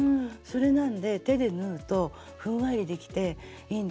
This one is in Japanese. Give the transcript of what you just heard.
それなんで手で縫うとふんわりできていいんですね。